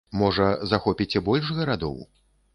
Можа, захопіце больш гарадоў?